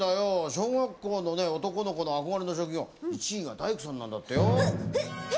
小学校の男の子の憧れの職業１位が大工さんなんだってよ。え？